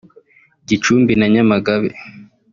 Gicumbi na Nyamagabe